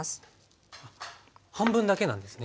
半分だけなんですね。